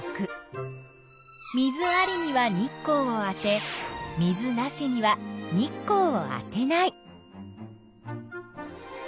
水ありには日光を当て水なしには日光を当てない。